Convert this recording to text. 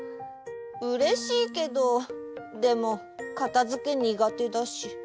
うれしいけどでもかたづけにがてだし。